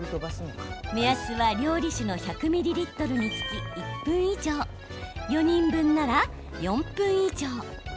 目安は、料理酒１００ミリリットルにつき１分以上、４人分なら４分以上。